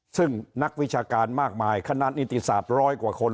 ซึ่งนักวิชาการมากมายคณะนิติศาสตร์ร้อยกว่าคน